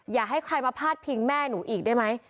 อย่าให้ใครมาพาดพิงแม่หนูอีกได้ไหม